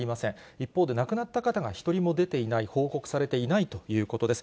一方で亡くなった方が一人も出ていない、報告されていないということです。